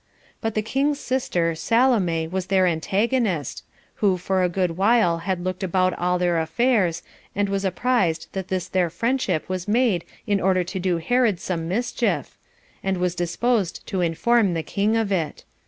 But the king's sister [Salome] was their antagonist, who for a good while had looked about all their affairs, and was apprized that this their friendship was made in order to do Herod some mischief, and was disposed to inform the king of it.